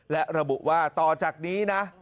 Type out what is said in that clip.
และระบุว่าต่อจากนี้นะ